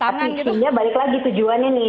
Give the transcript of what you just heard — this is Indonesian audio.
tapi sehingga balik lagi tujuannya nih